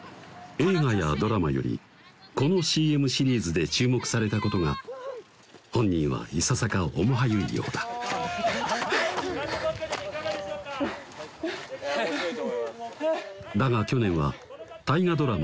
映画やドラマよりこのＣＭシリーズで注目されたことが本人はいささか面はゆいようだだが去年は大河ドラマ